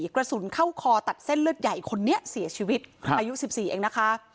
กระสุนเข้าคอตัดเส้นเลือดใหญ่คนนี้เสียชีวิตอายุ๑๔เองนะคะ